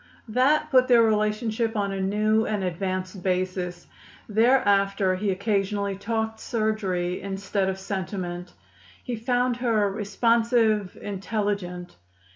That put their relationship on a new and advanced basis. Thereafter he occasionally talked surgery instead of sentiment. He found her responsive, intelligent.